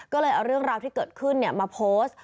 ก็เลยเอาเรื่องราวที่เกิดขึ้นมาโพสต์